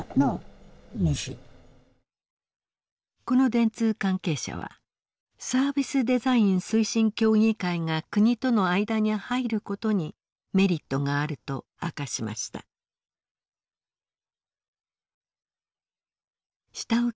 この電通関係者はサービスデザイン推進協議会が国との間に入ることにメリットがあると明かしました。